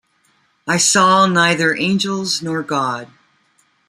I saw neither angels nor God.